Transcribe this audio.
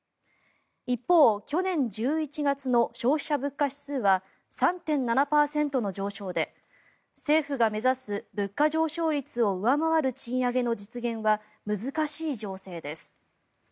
一方、去年１１月の消費者物価指数は３．７％の上昇で政府が目指す物価上昇率を上回る賃上げの実現は難しい情勢です。